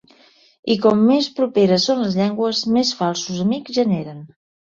I com més properes són les llengües més falsos amics generen.